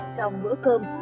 trong bữa cơm